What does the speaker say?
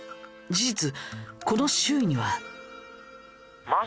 事実この周囲には。